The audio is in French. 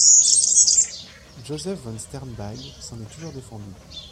Josef von Sternberg s'en est toujours défendu.